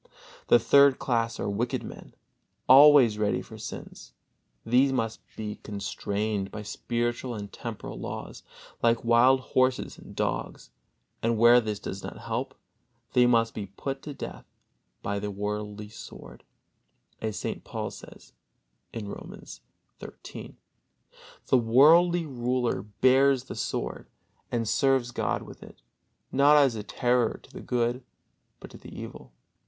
The third class are wicked men, always ready for sins; these must be constrained by spiritual and temporal laws, like wild horses and dogs, and where this does not help, they must be put to death by the worldly sword, as St. Paul says, Romans xiii: "The worldly ruler bears the sword, and serves God with it, not as a terror to the good, but to the evil."